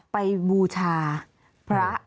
ไปบูชาพระ